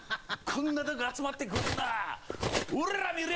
こんなとこ集まってくんな。